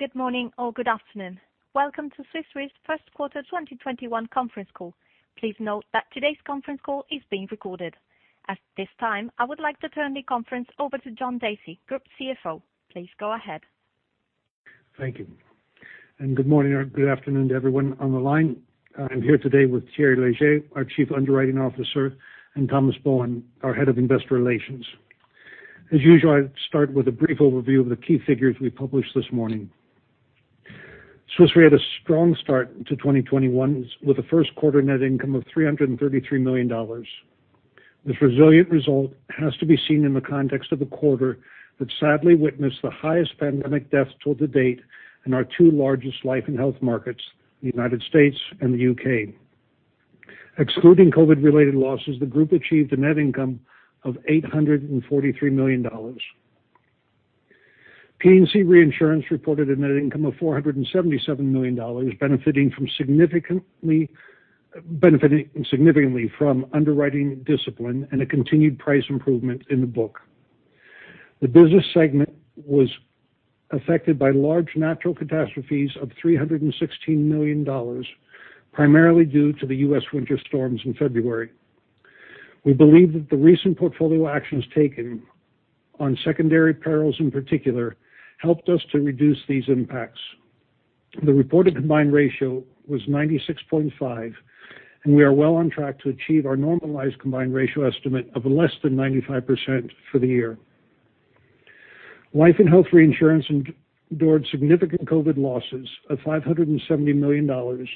Good morning or good afternoon. Welcome to Swiss Re's first quarter 2021 conference call. Please note that today's conference call is being recorded. At this time, I would like to turn the conference over to John Dacey, Group CFO. Please go ahead. Thank you. Good morning or good afternoon to everyone on the line. I'm here today with Thierry Léger, our Chief Underwriting Officer, and Thomas Bohun, our Head of Investor Relations. As usual, I'll start with a brief overview of the key figures we published this morning. Swiss Re had a strong start to 2021 with a first quarter net income of $333 million. This resilient result has to be seen in the context of a quarter that sadly witnessed the highest pandemic deaths till to date in our two largest life and health markets, the U.S. and the U.K. Excluding COVID-19 related losses, the group achieved a net income of $843 million. P&C Reinsurance reported a net income of $477 million, benefiting significantly from underwriting discipline and a continued price improvement in the book. The business segment was affected by large natural catastrophes of $316 million, primarily due to the U.S. winter storms in February. We believe that the recent portfolio actions taken on secondary perils in particular, helped us to reduce these impacts. The reported combined ratio was 96.5, and we are well on track to achieve our normalized combined ratio estimate of less than 95% for the year. Life & Health Reinsurance endured significant COVID-19 losses of $570 million,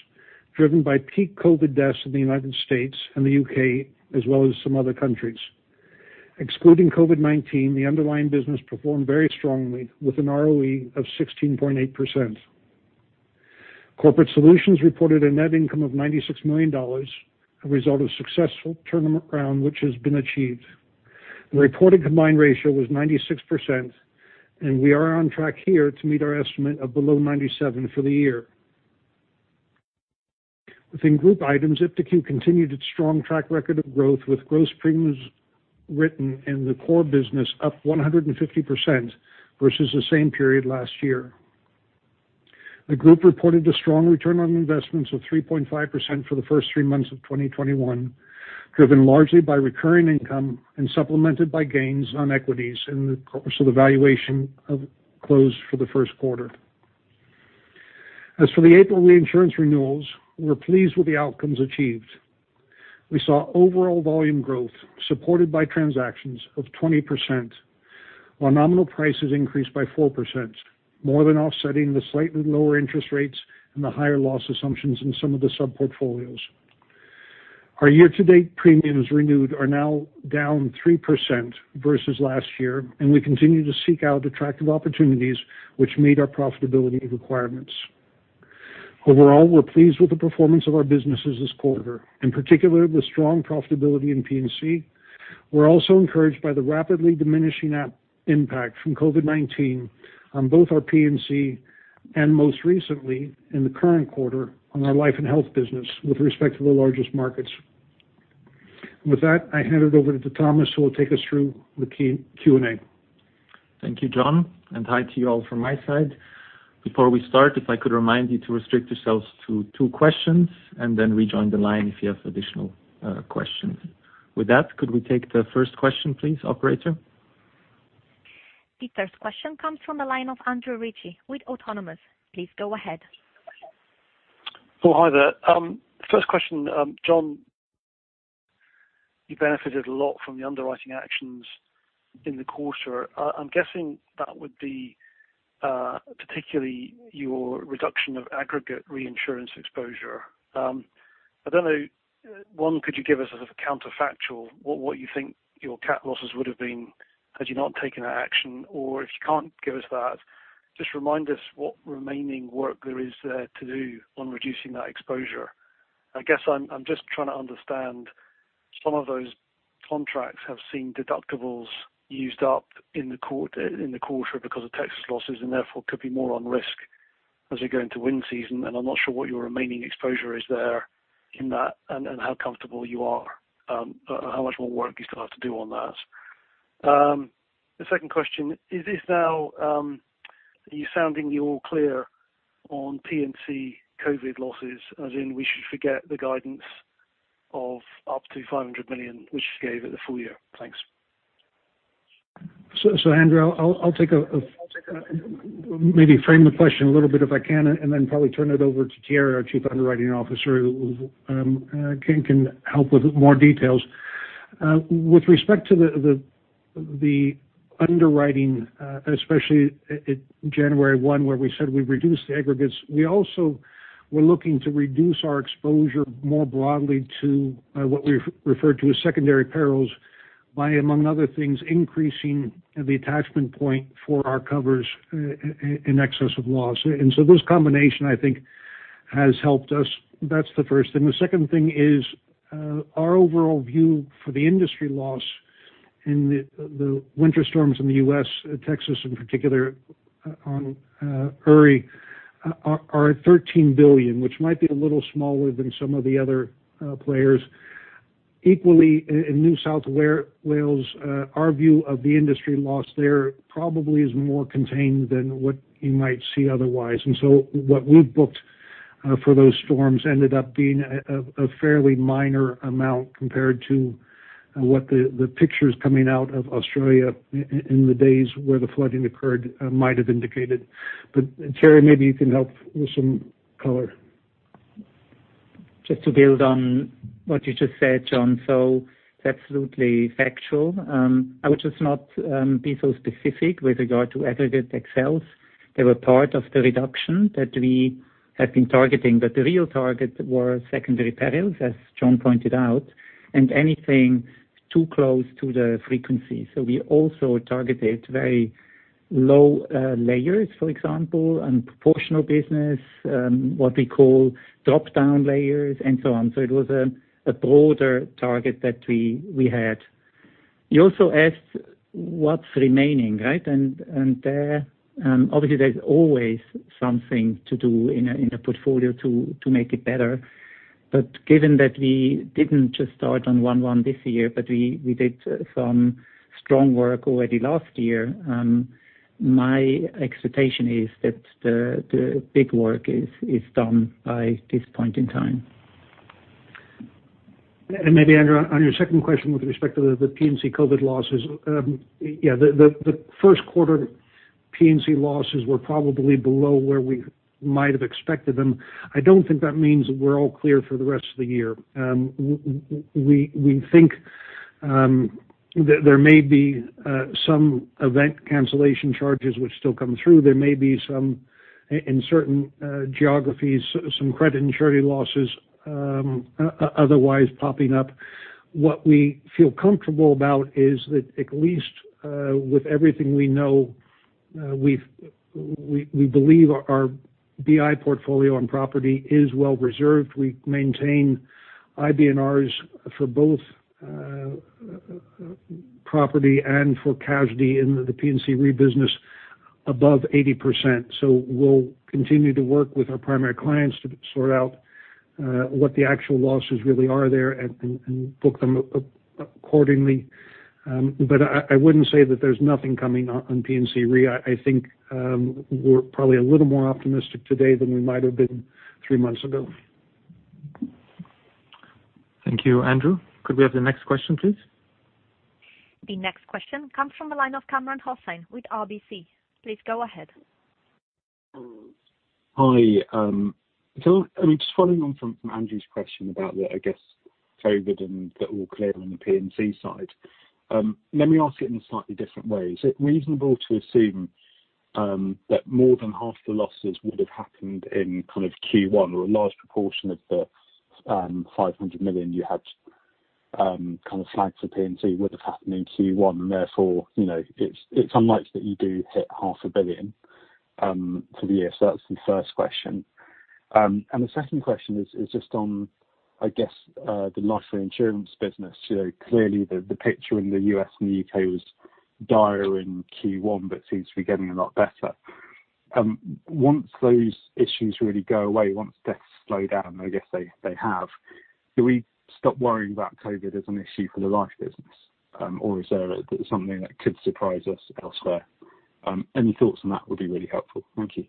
driven by peak COVID-19 deaths in the U.S. and the U.K., as well as some other countries. Excluding COVID-19, the underlying business performed very strongly with an ROE of 16.8%. Corporate Solutions reported a net income of $96 million, a result of successful turnaround which has been achieved. The reported combined ratio was 96%, and we are on track here to meet our estimate of below 97% for the year. Within group items, iptiQ continued its strong track record of growth, with gross premiums written in the core business up 150% versus the same period last year. The group reported a strong return on investments of 3.5% for the first three months of 2021, driven largely by recurring income and supplemented by gains on equities in the valuation of close for the first quarter. As for the April reinsurance renewals, we're pleased with the outcomes achieved. We saw overall volume growth supported by transactions of 20%, while nominal prices increased by 4%, more than offsetting the slightly lower interest rates and the higher loss assumptions in some of the sub-portfolios. Our year-to-date premiums renewed are now down 3% versus last year, and we continue to seek out attractive opportunities which meet our profitability requirements. Overall, we're pleased with the performance of our businesses this quarter, in particular with strong profitability in P&C. We're also encouraged by the rapidly diminishing impact from COVID-19 on both our P&C and most recently, in the current quarter, on our Life & Health business with respect to the largest markets. With that, I hand it over to Thomas, who will take us through the Q&A. Thank you, John, and hi to you all from my side. Before we start, if I could remind you to restrict yourselves to two questions and then rejoin the line if you have additional questions. With that, could we take the first question please, operator? The first question comes from the line of Andrew Ritchie with Autonomous. Please go ahead. Hi there. First question, John, you benefited a lot from the underwriting actions in the quarter. I am guessing that would be particularly your reduction of aggregate reinsurance exposure. I don't know, one, could you give us a counterfactual, what you think your cat losses would have been had you not taken that action? If you can't give us that, just remind us what remaining work there is there to do on reducing that exposure. I guess I'm just trying to understand some of those contracts have seen deductibles used up in the quarter because of Texas losses, and therefore could be more on risk as we go into wind season, and I'm not sure what your remaining exposure is there in that and how comfortable you are, how much more work you still have to do on that. The second question is this now, are you sounding the all clear on P&C COVID losses, as in we should forget the guidance of up to $500 million which you gave at the full year? Thanks. Andrew, I'll maybe frame the question a little bit if I can, and then probably turn it over to Thierry Léger, our Group Chief Underwriting Officer, who can help with more details. With respect to the underwriting, especially at January 1, where we said we reduced the aggregates, we also were looking to reduce our exposure more broadly to what we've referred to as secondary perils by, among other things, increasing the attachment point for our covers in excess of loss. Those combination, I think, has helped us. That's the first thing. The second thing is, our overall view for the industry loss in the winter storms in the U.S., Texas in particular, on Uri, are at $13 billion, which might be a little smaller than some of the other players. Equally in New South Wales, our view of the industry loss there probably is more contained than what you might see otherwise. What we've booked for those storms ended up being a fairly minor amount compared to what the pictures coming out of Australia in the days where the flooding occurred might have indicated. Thierry Léger, maybe you can help with some color. Just to build on what you just said, John, it's absolutely factual. I would just not be so specific with regard to aggregate excess. They were part of the reduction that we have been targeting, but the real target were secondary perils, as John pointed out, and anything too close to the frequency. We also targeted very low layers, for example, and proportional business, what we call drop-down layers and so on. It was a broader target that we had. You also asked what's remaining, right? There, obviously, there's always something to do in a portfolio to make it better. Given that we didn't just start on one-one this year, but we did some strong work already last year, my expectation is that the big work is done by this point in time. Maybe, Andrew, on your second question with respect to the P&C COVID losses. Yeah, the first quarter P&C losses were probably below where we might have expected them. I don't think that means we're all clear for the rest of the year. We think that there may be some event cancellation charges which still come through. There may be some, in certain geographies, some credit and charity losses otherwise popping up. What we feel comfortable about is that at least with everything we know, we believe our BI portfolio on property is well reserved. We maintain IBNRs for both property and for casualty in the P&C re-business above 80%. We'll continue to work with our primary clients to sort out what the actual losses really are there and book them accordingly. I wouldn't say that there's nothing coming on P&C re. I think we're probably a little more optimistic today than we might have been three months ago. Thank you, Andrew. Could we have the next question, please? The next question comes from the line of Kamran Hossain with RBC. Please go ahead. Hi. Just following on from Andrew's question about the, I guess, COVID and the all clear on the P&C side. Let me ask it in a slightly different way. Is it reasonable to assume that more than half the losses would have happened in Q1 or a large proportion of the $500 million you had flagged for P&C would have happened in Q1, and therefore, it's unlikely that you do hit half a billion for the year? The second question is just on, I guess, the life insurance business. Clearly, the picture in the U.S. and the U.K. was dire in Q1 but seems to be getting a lot better. Once those issues really go away, once deaths slow down, I guess they have, do we stop worrying about COVID as an issue for the life business? Is there something that could surprise us elsewhere? Any thoughts on that would be really helpful. Thank you.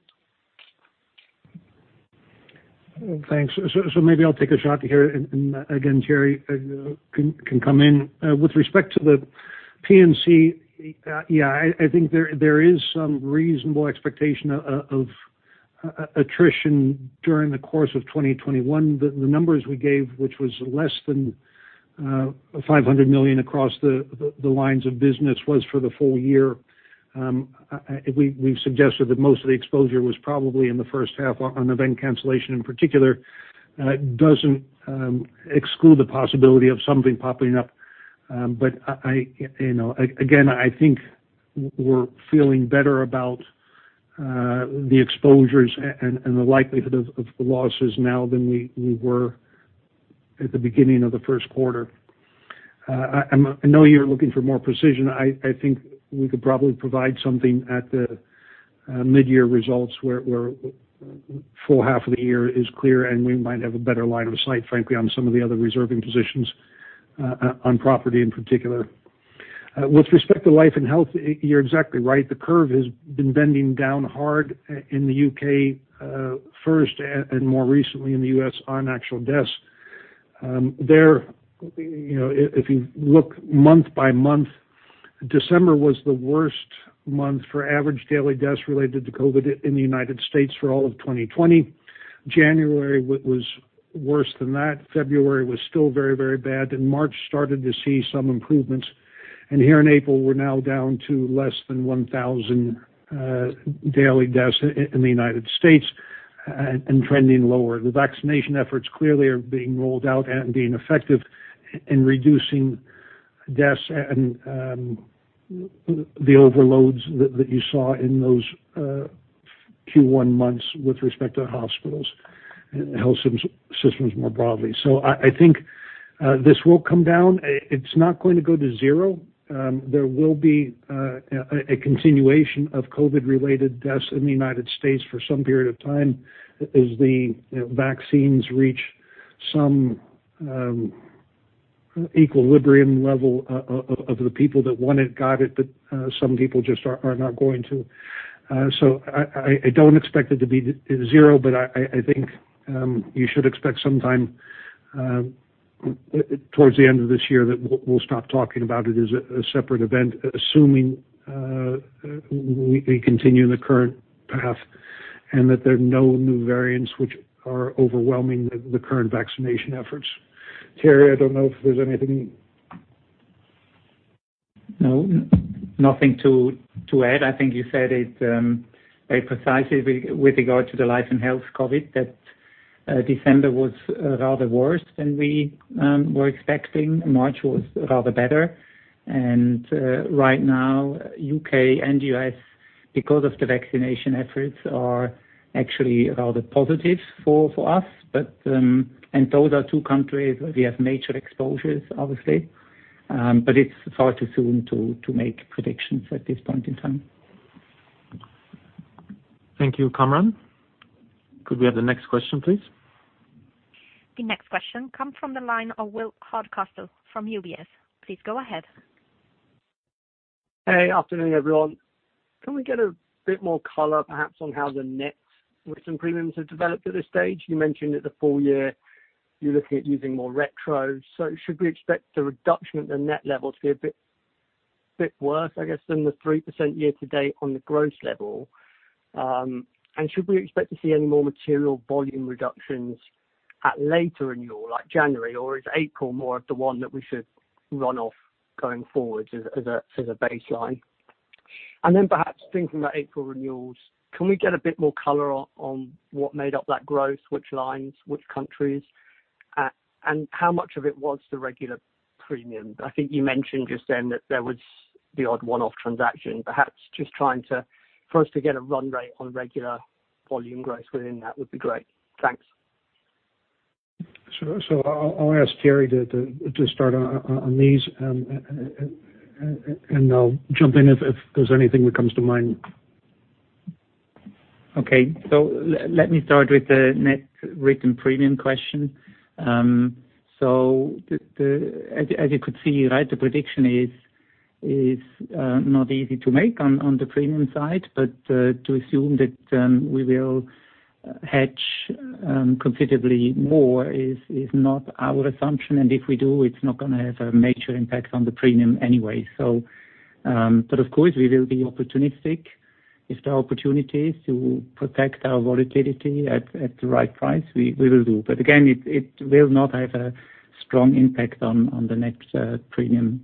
Thanks. Maybe I'll take a shot here, and again, Terry, can come in. With respect to the P&C, yeah, I think there is some reasonable expectation of attrition during the course of 2021. The numbers we gave, which was less than $500 million across the lines of business, was for the full year. We've suggested that most of the exposure was probably in the first half on event cancellation, in particular. It doesn't exclude the possibility of something popping up. Again, I think we're feeling better about the exposures and the likelihood of the losses now than we were at the beginning of the first quarter. I know you're looking for more precision. I think we could probably provide something at the mid-year results where a full half of the year is clear, and we might have a better line of sight, frankly, on some of the other reserving positions on property in particular. With respect to life and health, you're exactly right. The curve has been bending down hard in the U.K. first and more recently in the U.S. on actual deaths. There, if you look month by month, December was the worst month for average daily deaths related to COVID in the United States for all of 2020. January was worse than that. February was still very, very bad. In March, started to see some improvements. Here in April, we're now down to less than 1,000 daily deaths in the United States and trending lower. The vaccination efforts clearly are being rolled out and being effective in reducing deaths and the overloads that you saw in those Q1 months with respect to hospitals and health systems more broadly. I think this will come down. It is not going to go to zero. There will be a continuation of COVID-related deaths in the U.S. for some period of time as the vaccines reach some equilibrium level of the people that want it, got it, but some people just are not going to. I don't expect it to be zero, but I think you should expect sometime towards the end of this year that we will stop talking about it as a separate event, assuming we continue in the current path and that there are no new variants which are overwhelming the current vaccination efforts. Terry, I don't know if there is anything. No, nothing to add. I think you said it very precisely with regard to the Life & Health COVID, that December was rather worse than we were expecting. March was rather better. Right now, U.K. and U.S., because of the vaccination efforts, are actually rather positive for us. Those are two countries where we have major exposures, obviously. It's far too soon to make predictions at this point in time. Thank you. Kamran, could we have the next question, please? The next question comes from the line of William Hardcastle from UBS. Please go ahead. Hey, afternoon, everyone. Can we get a bit more color, perhaps, on how the net written premiums have developed at this stage? You mentioned at the full year you're looking at using more retros. Should we expect the reduction at the net level to be a bit worse, I guess, than the 3% year to date on the growth level? Should we expect to see any more material volume reductions at later renewal, like January, or is April more of the one that we should run off going forward as a baseline? Perhaps thinking about April renewals, can we get a bit more color on what made up that growth, which lines, which countries, and how much of it was the regular premium? I think you mentioned just then that there was the odd one-off transaction. Perhaps just trying to first to get a run rate on regular volume growth within that would be great. Thanks. I'll ask Thierry Léger to start on these, and I'll jump in if there's anything that comes to mind. Okay, let me start with the net written premium question. As you could see, the prediction is not easy to make on the premium side, but to assume that we will hedge considerably more is not our assumption. If we do, it's not going to have a major impact on the premium anyway. Of course, we will be opportunistic. If there are opportunities to protect our volatility at the right price, we will do. Again, it will not have a strong impact on the next premium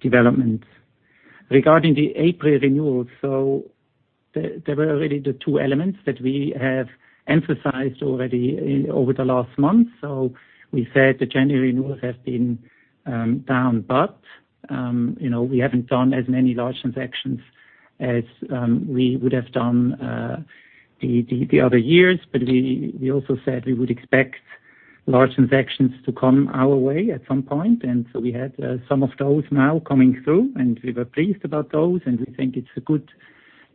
developments. Regarding the April renewals, there were already the two elements that we have emphasized already over the last month. We said the January renewals have been down, but we haven't done as many large transactions as we would have done the other years. We also said we would expect large transactions to come our way at some point. We had some of those now coming through, and we were pleased about those, and we think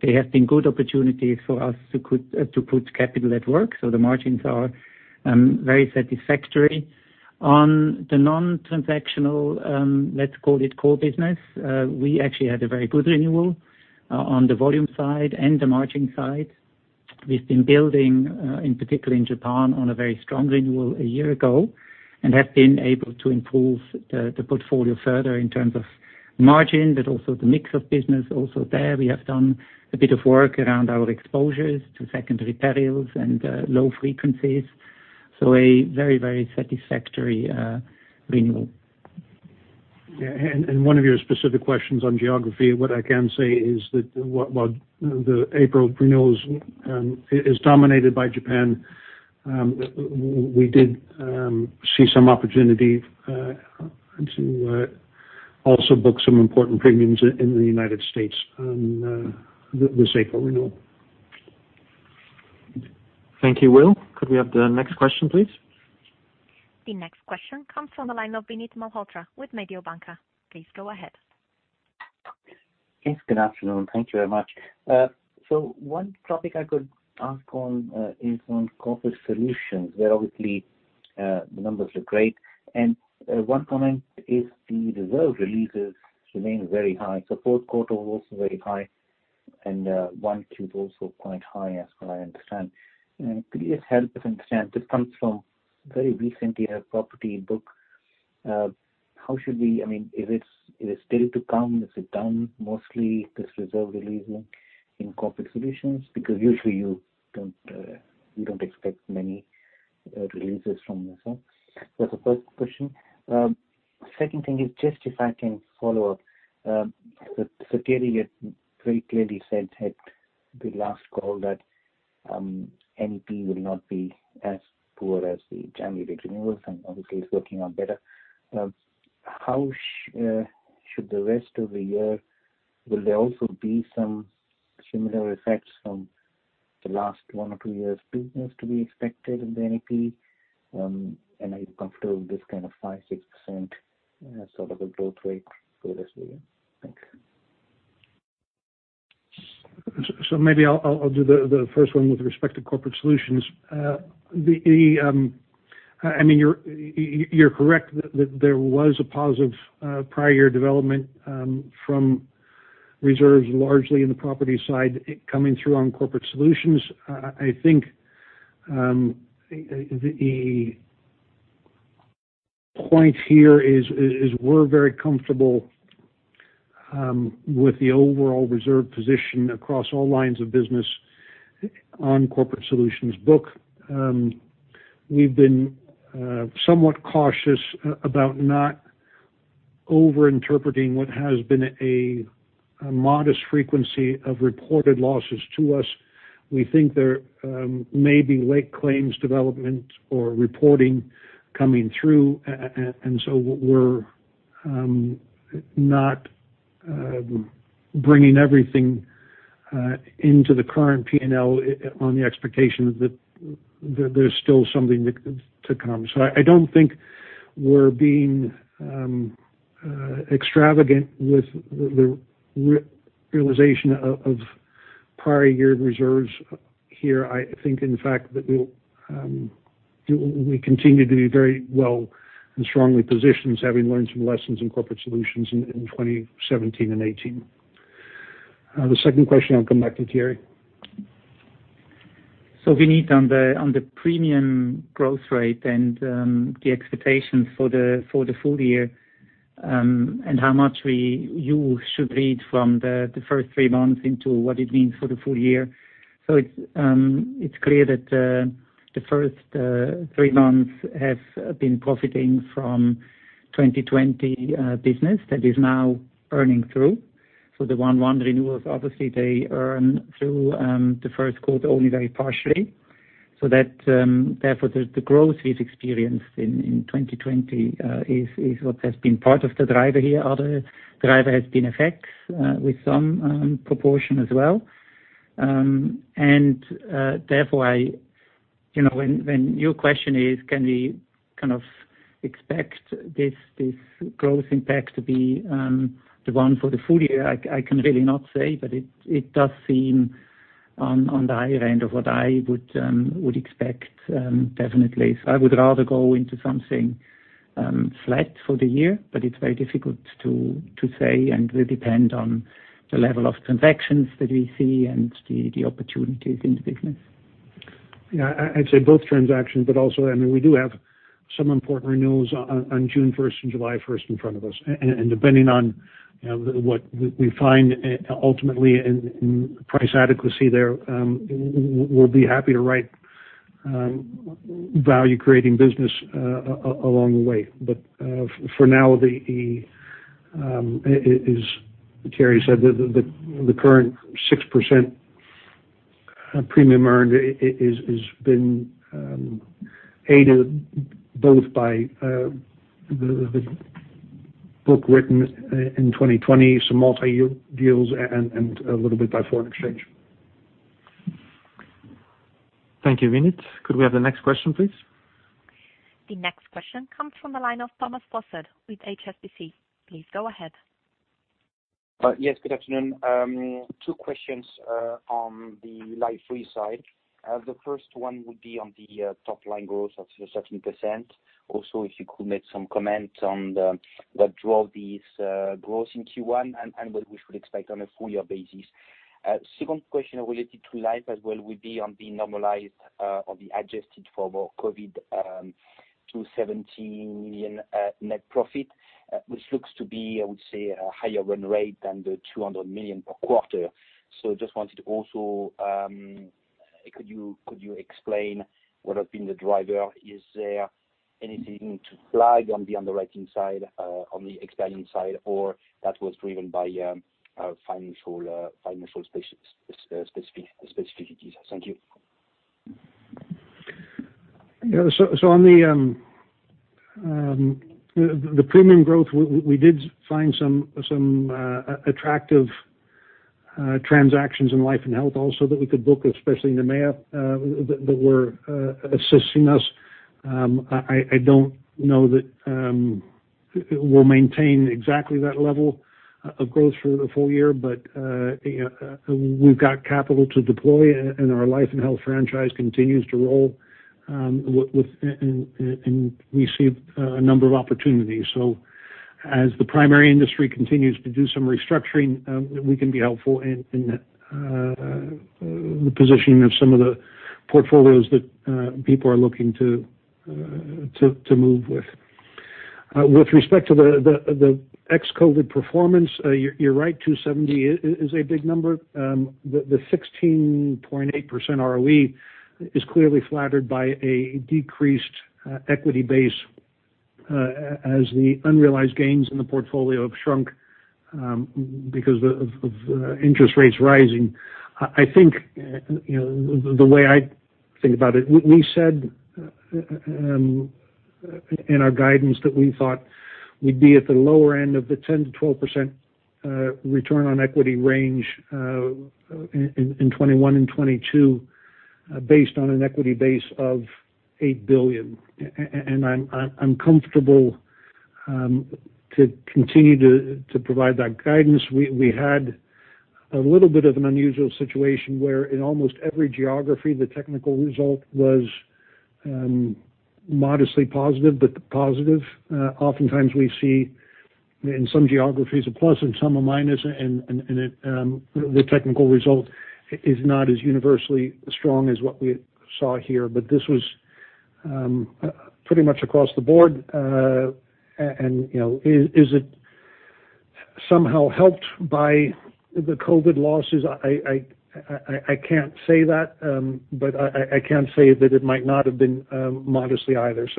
they have been good opportunities for us to put capital at work. The margins are very satisfactory. On the non-transactional, let's call it core business, we actually had a very good renewal on the volume side and the margin side. We've been building, in particular in Japan, on a very strong renewal a year ago and have been able to improve the portfolio further in terms of margin, but also the mix of business also there. We have done a bit of work around our exposures to secondary perils and low frequencies. A very satisfactory renewal. Yeah, one of your specific questions on geography, what I can say is that while the April renewals is dominated by Japan, we did see some opportunity to also book some important premiums in the U.S. on this April renewal. Thank you, Will. Could we have the next question, please? The next question comes from the line of Vinit Malhotra with Mediobanca. Please go ahead. Yes, good afternoon. Thank you very much. One topic I could ask on is on Corporate Solutions, where obviously the numbers look great. One comment is the reserve releases remain very high. Fourth quarter was also very high, and 1Q was also quite high as well, I understand. Could you just help us understand, this comes from very recent year property book? Is it still to come? Is it down mostly this reserve releasing in Corporate Solutions? Because usually you don't expect many releases from this one. That's the first question. Second thing is just if I can follow up. Thierry Léger had very clearly said at the last call that NEP will not be as poor as the January renewals, and obviously it's working out better. How should the rest of the year, will there also be some similar effects from the last one or two years' business to be expected in the NEP? Are you comfortable with this kind of 5, 6% sort of a growth rate for the rest of the year? Thanks. Maybe I'll do the first one with respect to Corporate Solutions. You're correct that there was a positive prior year development from reserves, largely in the property side, coming through on Corporate Solutions. I think the point here is we're very comfortable with the overall reserve position across all lines of business on Corporate Solutions book. We've been somewhat cautious about not over-interpreting what has been a modest frequency of reported losses to us. We think there may be late claims development or reporting coming through, we're not bringing everything into the current P&L on the expectation that there's still something to come. I don't think we're being extravagant with the realization of prior year reserves here. I think, in fact, that we continue to do very well and strongly positioned, having learned some lessons in Corporate Solutions in 2017 and 2018. The second question, I'll come back to Thierry. Vinit, on the premium growth rate and the expectations for the full year, and how much you should read from the first three months into what it means for the full year. It's clear that the first three months have been profiting from 2020 business that is now earning through. The one renewal, obviously they earn through the first quarter only very partially. The growth we've experienced in 2020 is what has been part of the driver here. Other driver has been effects with some proportion as well. When your question is, can we kind of expect this growth impact to be the one for the full year? I can really not say, but it does seem on the higher end of what I would expect, definitely. I would rather go into something flat for the year, but it's very difficult to say and will depend on the level of transactions that we see and the opportunities in the business. Yeah. I'd say both transactions, but also, we do have some important renewals on June 1st and July 1st in front of us. Depending on what we find ultimately in price adequacy there, we'll be happy to write value-creating business along the way. For now, as Thierry said, the current 6% premium earned has been aided both by the book written in 2020, some multi-year deals, and a little bit by foreign exchange. Thank you, Vinit. Could we have the next question, please? The next question comes from the line of Thomas Fossett with HSBC. Please go ahead. Yes, good afternoon. Two questions on the Life Re side. The first one would be on the top line growth of 13%. If you could make some comments on what drove this growth in Q1 and what we should expect on a full year basis. Second question related to Life as well would be on the normalized or the adjusted for more COVID-19 270 million net profit, which looks to be, I would say, a higher run rate than the 200 million per quarter. Just wanted to, could you explain what has been the driver? Is there anything to flag on the underwriting side, on the experience side, or that was driven by financial specificities? Thank you. On the premium growth, we did find some attractive transactions in life and health also that we could book, especially in the M&A, that were assisting us. I don't know that we'll maintain exactly that level of growth for the full year, but we've got capital to deploy, and our life and health franchise continues to roll, and we see a number of opportunities. As the primary industry continues to do some restructuring, we can be helpful in the positioning of some of the portfolios that people are looking to move with. With respect to the ex-COVID performance, you're right, 270 is a big number. The 16.8% ROE is clearly flattered by a decreased equity base as the unrealized gains in the portfolio have shrunk because of interest rates rising. I think the way I think about it, we said in our guidance that we thought we'd be at the lower end of the 10%-12% return on equity range in 2021 and 2022 based on an equity base of $8 billion. I'm comfortable to continue to provide that guidance. We had a little bit of an unusual situation where in almost every geography, the technical result was modestly positive, but positive. Oftentimes, we see in some geographies a plus and some a minus, and the technical result is not as universally strong as what we saw here. This was pretty much across the board. Is it somehow helped by the COVID-19 losses? I can't say that. I can say that it might not have been modestly either.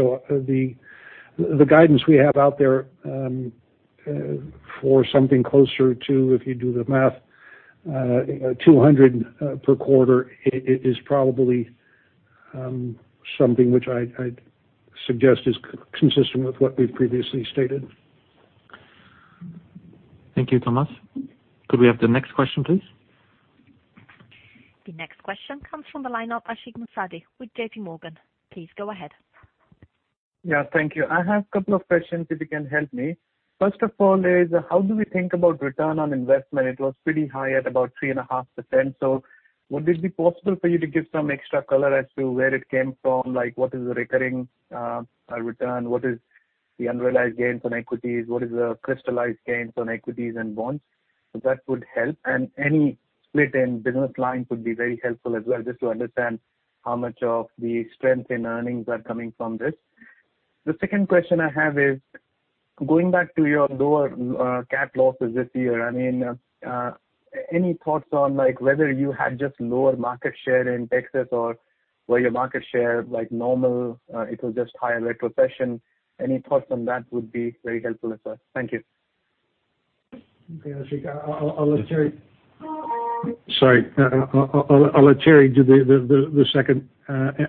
The guidance we have out there for something closer to, if you do the math, $200 per quarter, it is probably something which I'd suggest is consistent with what we've previously stated. Thank you, Thomas. Could we have the next question, please? The next question comes from the line of Ashik Musaddi with J.P. Morgan. Please go ahead. Yeah, thank you. I have couple of questions, if you can help me. First of all is, how do we think about return on investment? It was pretty high at about 3.5%. Would it be possible for you to give some extra color as to where it came from? What is the recurring return? What is the unrealized gains on equities? What is the crystallized gains on equities and bonds? That would help. Any split in business line would be very helpful as well, just to understand how much of the strength in earnings are coming from this. The second question I have is going back to your lower cat losses this year. Any thoughts on whether you had just lower market share in Texas or were your market share normal, it was just higher retrocession? Any thoughts on that would be very helpful as well. Thank you. Okay, Ashik. I'll let Terry do the second.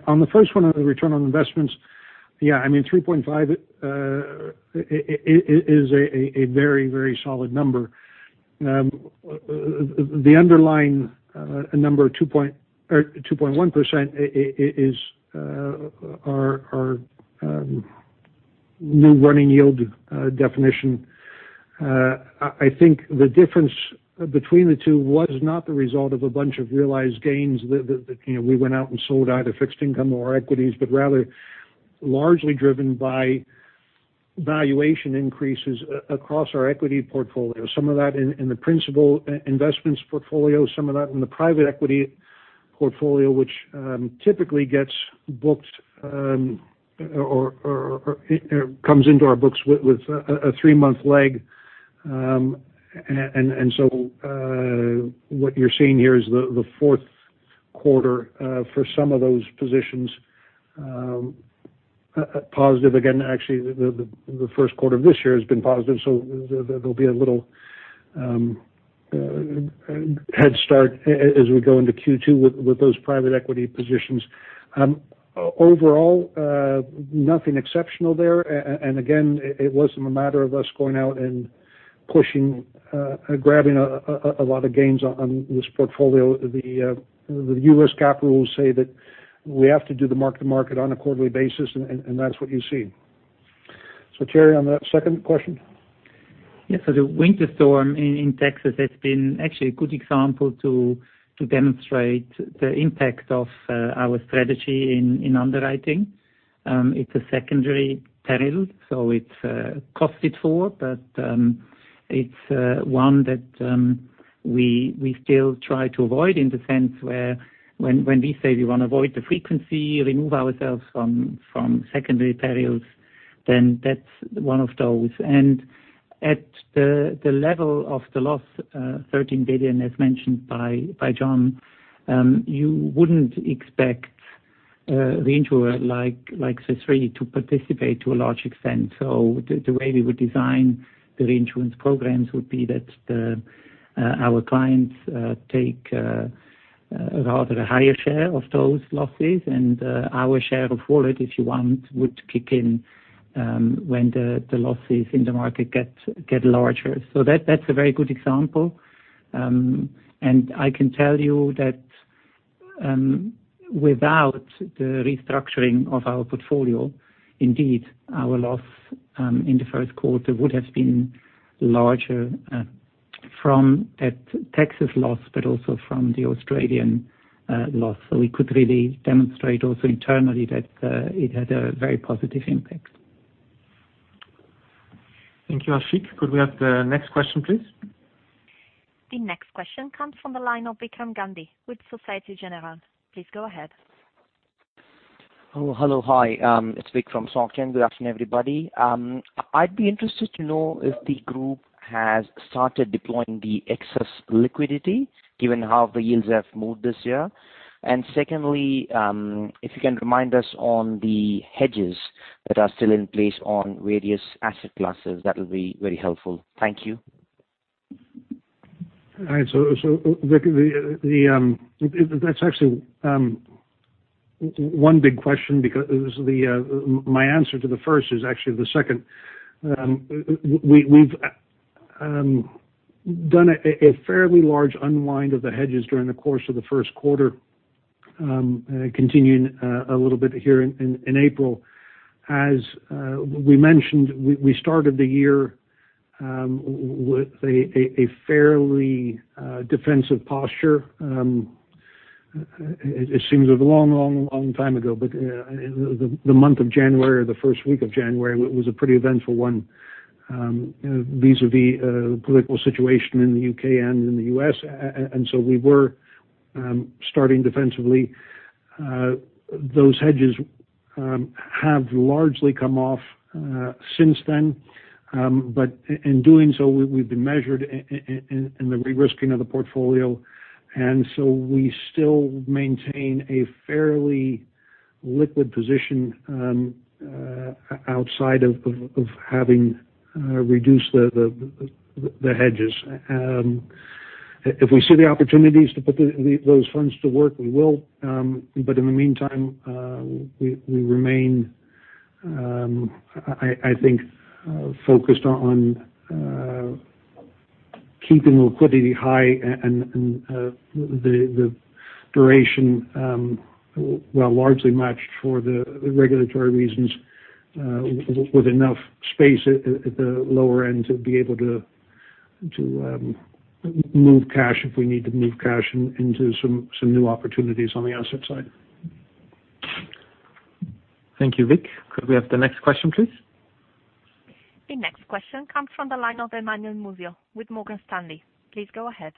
On the first one on the return on investments. Yeah, 3.5 is a very solid number. The underlying number, 2.1%, is our new running yield definition. I think the difference between the two was not the result of a bunch of realized gains that we went out and sold either fixed income or equities, but rather largely driven by valuation increases across our equity portfolio. Some of that in the principal investments portfolio, some of that in the private equity portfolio, which typically gets booked or comes into our books with a three-month lag. What you're seeing here is the fourth quarter for some of those positions. Positive again, actually, the first quarter of this year has been positive, there'll be a little head start as we go into Q2 with those private equity positions. Overall, nothing exceptional there. Again, it wasn't a matter of us going out and pushing, grabbing a lot of gains on this portfolio. The U.S. GAAP rules say that we have to do the mark-to-market on a quarterly basis, and that's what you see. Thierry Léger, on that second question. The winter storm in Texas has been actually a good example to demonstrate the impact of our strategy in underwriting. It's a secondary peril, so it's costed for, but it's one that we still try to avoid in the sense where when we say we want to avoid the frequency, remove ourselves from secondary perils, then that's one of those. At the level of the loss, $13 billion, as mentioned by John, you wouldn't expect a reinsurer like Swiss Re to participate to a large extent. The way we would design the reinsurance programs would be that our clients take rather a higher share of those losses, and our share of wallet, if you want, would kick in when the losses in the market get larger. That's a very good example. I can tell you that without the restructuring of our portfolio, indeed, our loss in the first quarter would have been larger from that Texas loss, but also from the Australian loss. We could really demonstrate also internally that it had a very positive impact. Thank you, Ashik. Could we have the next question, please? The next question comes from the line of Vikram Gandhi with Societe Generale. Please go ahead. Hello. Hi, it's Vik from Soc Gen. Good afternoon, everybody. I'd be interested to know if the group has started deploying the excess liquidity given how the yields have moved this year. Secondly, if you can remind us on the hedges that are still in place on various asset classes, that'll be very helpful. Thank you. All right. Vik, that's actually one big question because my answer to the first is actually the second. We've done a fairly large unwind of the hedges during the course of the first quarter, continuing a little bit here in April. As we mentioned, we started the year with a fairly defensive posture. It seems a long time ago, but the month of January, or the first week of January, was a pretty eventful one vis-à-vis the political situation in the U.K. and in the U.S., we were starting defensively. Those hedges have largely come off since then. In doing so, we've been measured in the re-risking of the portfolio. We still maintain a fairly liquid position outside of having reduced the hedges. If we see the opportunities to put those funds to work, we will. In the meantime, we remain, I think, focused on keeping liquidity high and the duration, well, largely matched for the regulatory reasons, with enough space at the lower end to be able to move cash if we need to move cash into some new opportunities on the asset side. Thank you, Vic. Could we have the next question, please? The next question comes from the line of Emanuele Musio with Morgan Stanley. Please go ahead.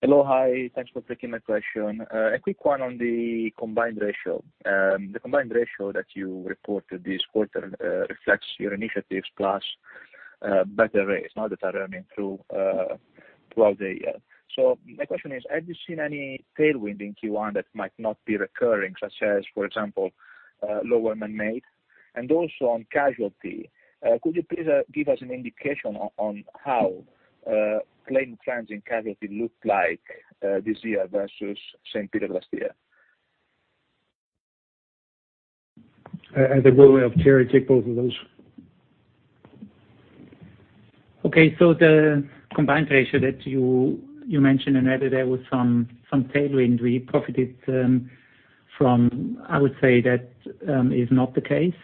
Hello. Hi. Thanks for taking my question. A quick one on the combined ratio. The combined ratio that you reported this quarter reflects your initiatives plus better rates now that are earning throughout the year. My question is, have you seen any tailwind in Q1 that might not be recurring, such as, for example, lower manmade? Also on casualty, could you please give us an indication on how claim trends in casualty look like this year versus same period last year? I think we'll let Thierry take both of those. The combined ratio that you mentioned, and added there was some tailwind we profited from, I would say that is not the case.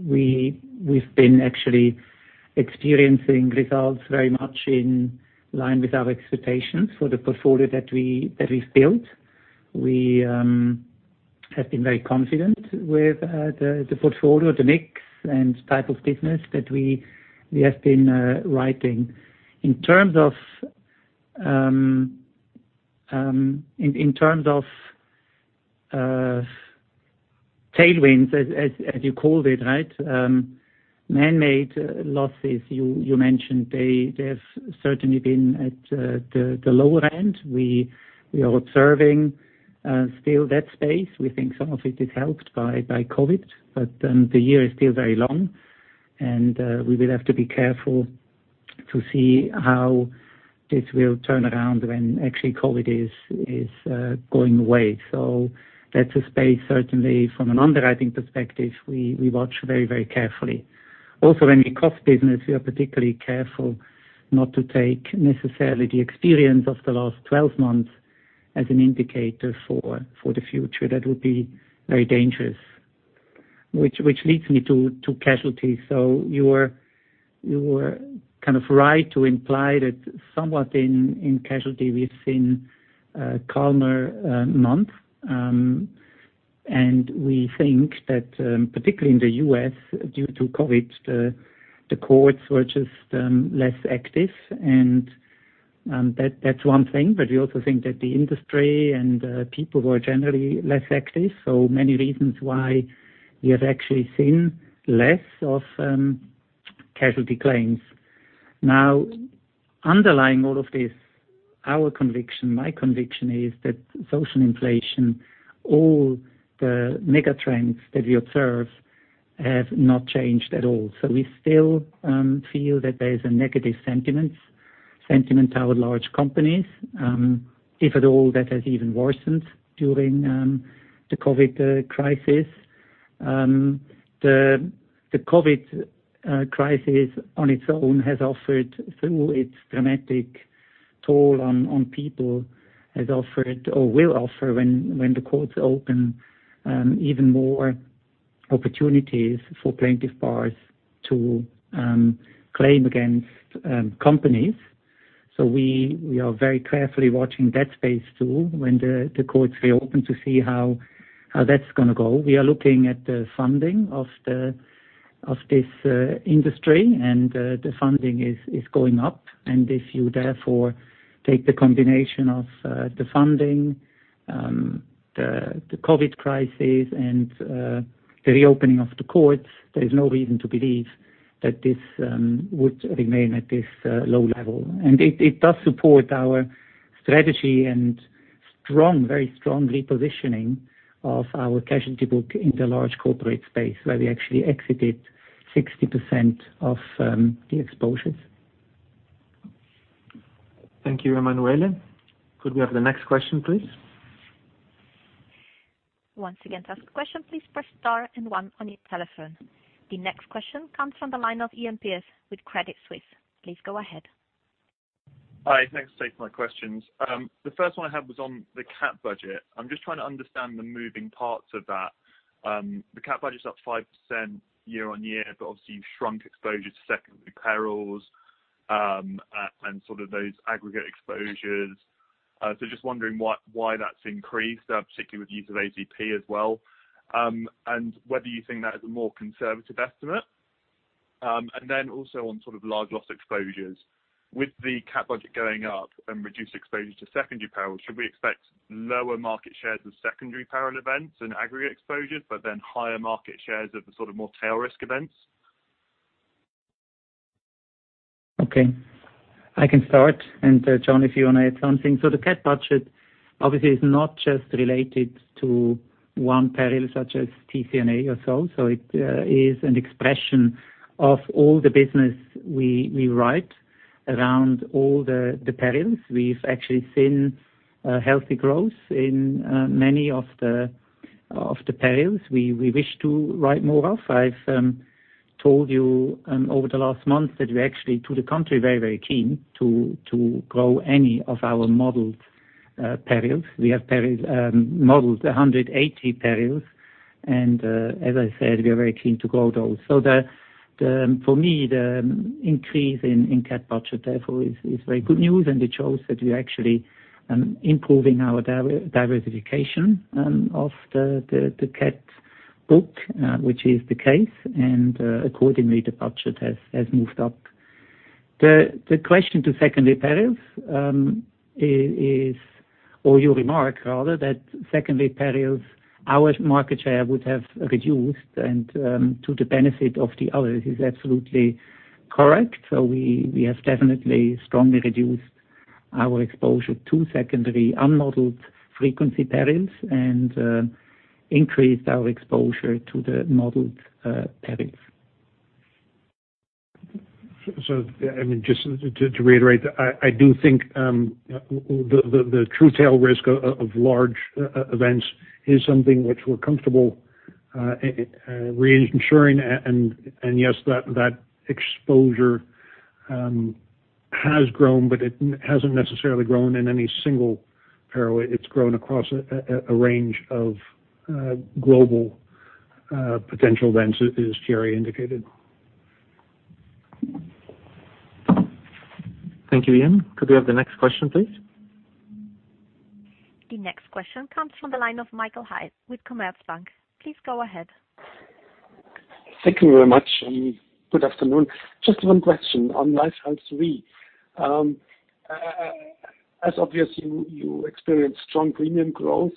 We've been actually experiencing results very much in line with our expectations for the portfolio that we've built. We have been very confident with the portfolio, the mix, and type of business that we have been writing. In terms of tailwinds, as you called it, manmade losses, you mentioned they've certainly been at the lower end. We are observing still that space. We think some of it is helped by COVID-19, but the year is still very long, and we will have to be careful to see how this will turn around when actually COVID-19 is going away. That's a space certainly from an underwriting perspective, we watch very carefully. Any cost business, we are particularly careful not to take necessarily the experience of the last 12 months as an indicator for the future. That would be very dangerous. Which leads me to casualty. You were kind of right to imply that somewhat in casualty, we've seen a calmer month. We think that, particularly in the U.S., due to COVID, the courts were just less active, and that's one thing. We also think that the industry and people were generally less active. Many reasons why we have actually seen less of casualty claims. Now, underlying all of this, our conviction, my conviction is that social inflation, all the mega trends that we observe have not changed at all. We still feel that there is a negative sentiment toward large companies, if at all, that has even worsened during the COVID crisis. The COVID crisis on its own has offered, through its dramatic toll on people, has offered or will offer when the courts open even more opportunities for plaintiff bars to claim against companies. We are very carefully watching that space, too, when the courts reopen to see how that's going to go. We are looking at the funding of this industry, and the funding is going up. If you, therefore, take the combination of the funding, the COVID crisis, and the reopening of the courts, there is no reason to believe that this would remain at this low level. It does support our strategy and very strong repositioning of our casualty book in the large corporate space where we actually exited 60% of the exposures. Thank you, Emanuele. Could we have the next question, please? The next question comes from the line of Iain Pearce with Credit Suisse. Please go ahead. Hi. Thanks for taking my questions. The first one I had was on the cat budget. I'm just trying to understand the moving parts of that. The cat budget is up 5% year-on-year, but obviously you've shrunk exposure to secondary perils, and sort of those aggregate exposures. Just wondering why that's increased, particularly with use of AZP as well, and whether you think that is a more conservative estimate. Also on sort of large loss exposures. With the cat budget going up and reduced exposure to secondary peril, should we expect lower market shares of secondary peril events and aggregate exposures, but then higher market shares of the sort of more tail risk events? Okay. I can start. John, if you want to add something. The cat budget obviously is not just related to one peril such as TCNA or so. It is an expression of all the business we write around all the perils. We've actually seen healthy growth in many of the perils we wish to write more of. I've told you over the last month that we're actually, to the contrary, very keen to grow any of our modeled perils. We have modeled 180 perils and as I said, we are very keen to grow those. For me, the increase in cat budget therefore is very good news and it shows that we are actually improving our diversification of the cat book, which is the case, and accordingly the budget has moved up. The question to secondary perils, or your remark rather, that secondary perils, our market share would have reduced and to the benefit of the others is absolutely correct. We have definitely strongly reduced our exposure to secondary unmodeled frequency perils and increased our exposure to the modeled perils. Just to reiterate, I do think the true tail risk of large events is something which we're comfortable reinsuring. Yes, that exposure has grown, but it hasn't necessarily grown in any single peril. It's grown across a range of global potential events, as Thierry indicated. Thank you, Iain. Could we have the next question, please? The next question comes from the line of Michael Huttner with Berenberg. Please go ahead. Thank you very much. Good afternoon. Just one question on Life & Health Reinsurance. As obvious, you experienced strong premium growth.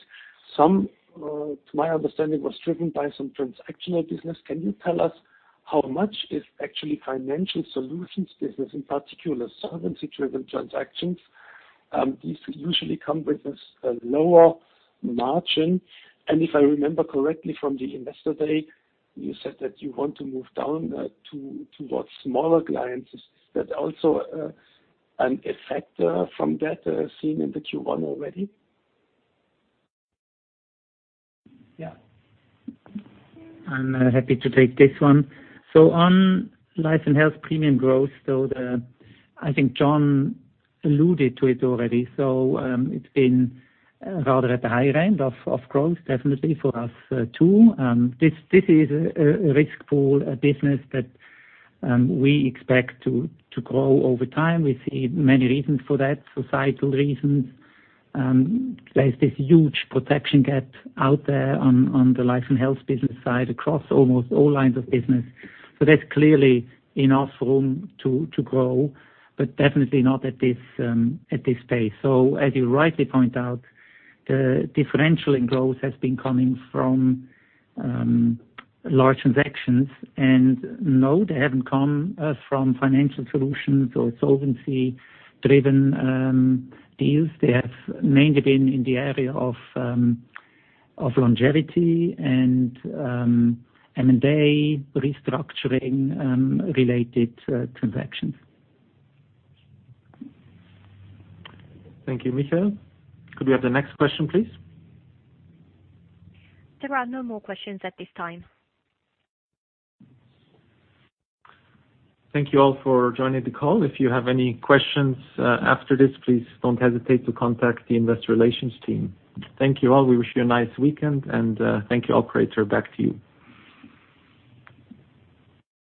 Some, to my understanding, was driven by some transactional business. Can you tell us how much is actually financial solutions business, in particular solvency-driven transactions? These usually come with a lower margin, and if I remember correctly from the investor day, you said that you want to move down towards smaller clients. Is that also an effect from that seen in the Q1 already? Yeah. I'm happy to take this one. On Life & Health premium growth, I think John alluded to it already. It's been rather at the high end of growth definitely for us too. This is a risk pool, a business that we expect to grow over time. We see many reasons for that, societal reasons. There's this huge protection gap out there on the Life & Health business side across almost all lines of business. There's clearly enough room to grow, but definitely not at this pace. As you rightly point out, the differential in growth has been coming from large transactions. No, they haven't come from financial solutions or solvency-driven deals. They have mainly been in the area of longevity and M&A restructuring related transactions. Thank you, Michael. Could we have the next question, please? There are no more questions at this time. Thank you all for joining the call. If you have any questions after this, please don't hesitate to contact the investor relations team. Thank you all. We wish you a nice weekend. Thank you, operator, back to you.